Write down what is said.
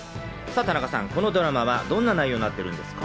田中さん、このドラマはどんな内容になっているんですか？